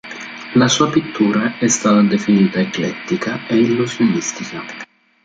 La sua pittura è stata definita eclettica e illusionistica.